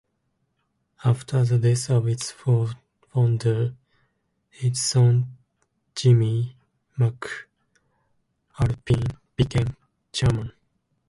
After the death of its founder, his son Jimmie McAlpine became chairman.